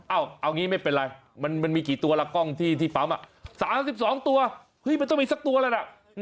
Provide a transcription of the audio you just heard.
เอ้าเอางี้ไม่เป็นไรมันมีกี่ตัวละกล้องที่ปั๊มสามสิบสองตัวมันต้องมีสักตัวละนะ